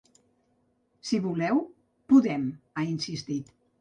Si voleu, podem, ha insistit.